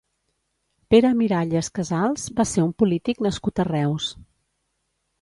Pere Miralles Casals va ser un polític nascut a Reus.